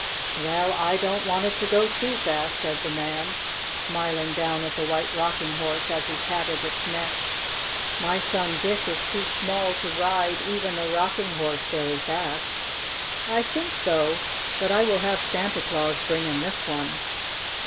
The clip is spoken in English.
"Well, I don't want it to go too fast," said the man, smiling down at the White Rocking Horse as he patted its neck, "My son Dick is too small to ride even a rocking horse very fast. I think, though, that I will have Santa Claus bring him this one.